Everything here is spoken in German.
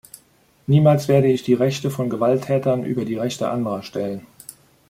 Niemals werde ich die Rechte von Gewalttätern über die Rechte anderer stellen.